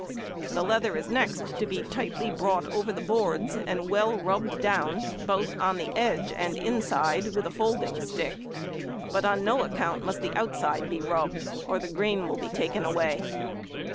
The leather is next to be tightly brought over the boards and well rubbed down, both on the edge and inside, with a folding stick, but on no account must the outside be rubbed, or the grain will be taken away.